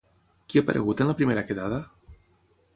Qui ha aparegut en la primera quedada?